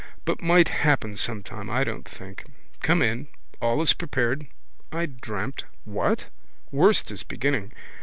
But might happen sometime, I don't think. Come in, all is prepared. I dreamt. What? Worst is beginning.